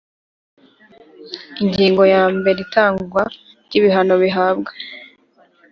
ingingo ya mbere itangwa ry ibihano bihabwa